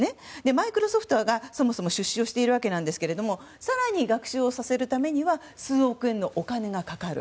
マイクロソフトがそもそも出資をしているわけですが更に学習をさせるためには数億円のお金がかかる。